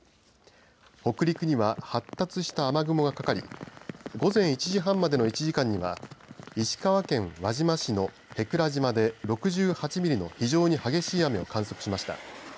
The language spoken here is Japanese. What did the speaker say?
北陸には発達した雨雲がかかり午前１時半までの１時間には石川県輪島市の舳倉島で６８ミリの非常に激しい雨を観測しました。